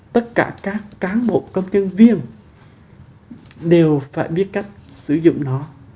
tất cả các cán bộ công chức viên đều phải biết cách sử dụng nó